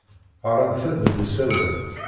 Ɣrant-d deg usawal.